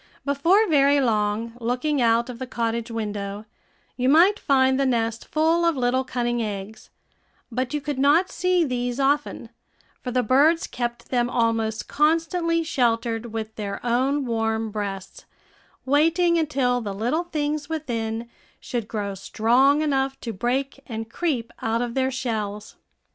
Before very long, looking out of the cottage window, you might find the nest full of little cunning eggs; but you could not see these often, for the birds kept them almost constantly sheltered with their own warm breasts, waiting until the little things within should grow strong enough to break and creep out of their shells.